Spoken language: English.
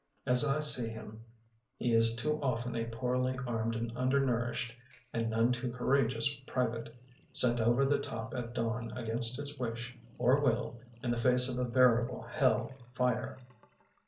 As I see him he is too often a poorly armed and undernourished, and none too courageous private, sent over the top at dawn against his wish or will in the face of a veritable hell fire.